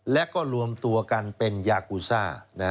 และก็รวมตัวกันเป็นยากูซ่า